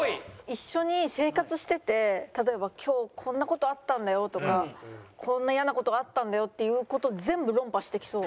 一緒に生活してて例えば「今日こんな事あったんだよ」とか「こんなイヤな事があったんだよ」っていう事全部論破してきそう。